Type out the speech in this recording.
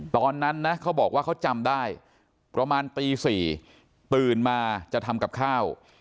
ตอนนั้นนะเขาบอกว่าเขาจำได้ประมาณตี๔ตื่นมาจะทำกับข้าว